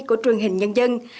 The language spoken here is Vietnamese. của truyền hình nhân dân